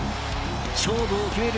勝負を決める